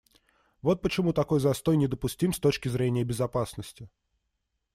Вот почему такой застой недопустим с точки зрения безопасности.